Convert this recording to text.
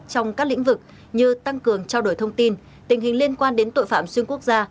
trong các lĩnh vực như tăng cường trao đổi thông tin tình hình liên quan đến tội phạm xuyên quốc gia